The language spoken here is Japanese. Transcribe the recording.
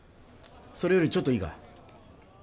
それよりちょっといいか？